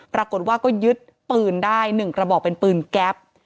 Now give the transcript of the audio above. ปรากฏว่าก็ยึดปืนได้๑กระบอกเป็นปืนแก๊ป